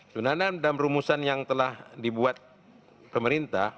sebenarnya dalam rumusan yang telah dibuat pemerintah